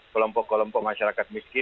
kolompok kolompok masyarakat miskin